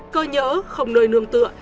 cơ nhỡ không nơi nương tựa